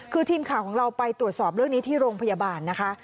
คือทีมข่าวของเราไปตรวจสอบเรื่องนี้ที่โรงพยาบาลนะคะ